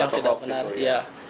yang tidak benar iya